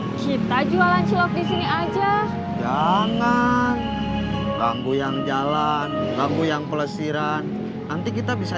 ya kita jualan cilok disini aja jangan banggu yang jalan tangguhan kelesiran nanti kita bisa